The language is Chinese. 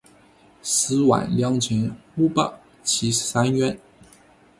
十万两千五百七十三元